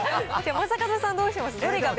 正門さん、どうします？